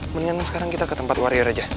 mendingan sekarang kita ke tempat warior aja ya